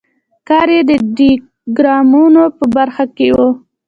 کار یې د ډیاګرامونو په برخه کې و.